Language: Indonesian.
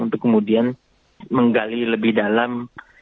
untuk kemudian menggali lebih dalam